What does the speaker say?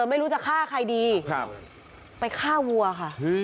ไม่รู้จะฆ่าใครดีไปฆ่าวัวค่ะ